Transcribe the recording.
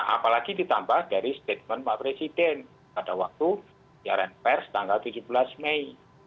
apalagi ditambah dari statement pak presiden pada waktu siaran pers tanggal tujuh belas mei